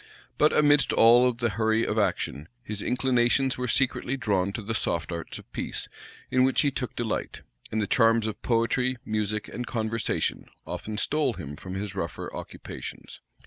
But amidst all the hurry of action, his inclinations were secretly drawn to the soft arts of peace, in which he took delight; and the charms of poetry music, and conversation often stole him from his rougher occupations.